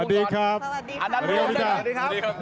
สวัสดีครับสวัสดีครับ